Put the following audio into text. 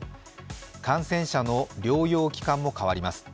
感染者の療養期間も変わります。